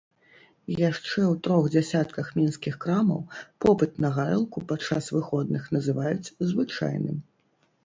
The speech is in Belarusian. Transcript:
Яшчэ ў трох дзясятках мінскіх крамаў попыт на гарэлку падчас выходных называюць звычайным.